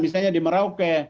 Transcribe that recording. misalnya di merauke